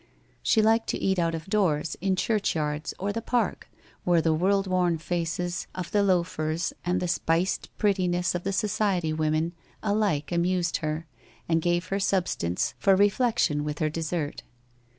She liked to eat out of doors, in church yards or the Park, where the world worn faced of the loafers, and the spiced prettiness of the society women, alike amused her, and gave her substance for re 36 WHITE ROSE OF WEARY LEAF flection with her dessert.